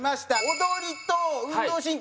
踊りと運動神経